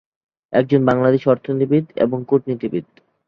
একজন বাংলাদেশী অর্থনীতিবিদ এবং কূটনীতিবিদ।